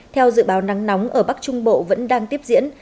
theo dự báo nắng nóng ở bắc trung bộ vẫn đang tiếp diễn